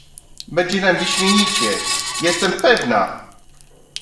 "będzie nam wyśmienicie, jestem pewna!"